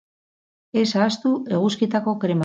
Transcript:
Ez ahaztu eguzkitako krema!